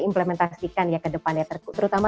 implementasikan ya ke depannya terutama